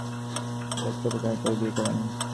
তিনি Thomas J Morgan নামে এক যন্ত্রচালক কে বিয়ে করেন।